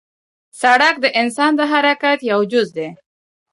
سړک د انسان د حرکت یو جز دی.